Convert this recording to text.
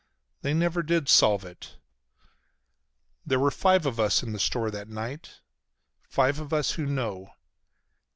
They never did solve it. There were five of us in the store that night. Five of us who know.